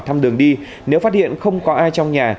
thăm đường đi nếu phát hiện không có ai trong nhà